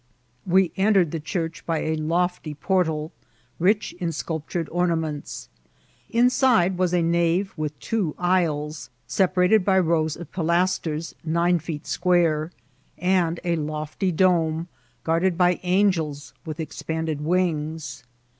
We entered the church by a lofty portal, rich in sculptured ornaments. Inside was a nave with two aisles, separated by rows of pilasters nine feet square, and a lofty dome, guarded by angels with expanded wings.